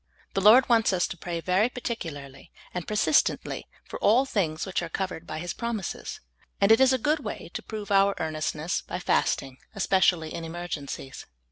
The Lord wants us to pray very particularly and persistently for all things which are covered by His promises, and it is a good way to prove our earnestness by fasting, especially in emergencies.